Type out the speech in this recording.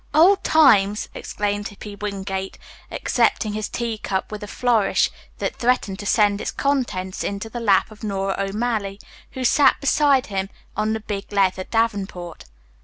"Old times!" exclaimed Hippy Wingate, accepting his teacup with a flourish that threatened to send its contents into the lap of Nora O'Malley, who sat beside him on the big leather davenport.